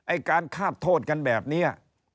การฆาตโทษกันแบบนี้